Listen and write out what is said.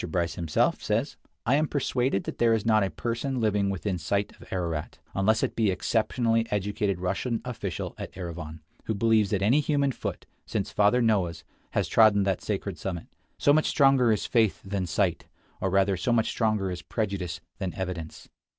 Bryce himself says: "I am persuaded that there is not a person living within sight of Ararat, unless it be some exceptionally educated Russian official at Erivan, who believes that any human foot, since Father Noah' s, has trodden that sacred summit. So much stronger is faith than sight; or rather so much stronger is prejudice than evidence."